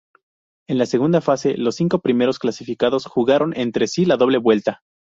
En la segunda fase los cinco primeros clasificados jugaron entre sí la doble vuelta.